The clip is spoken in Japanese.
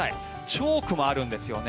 チョークもあるんですよね。